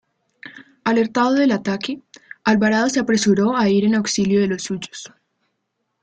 Alertado del ataque, Alvarado se apresuró a ir en auxilio de los suyos.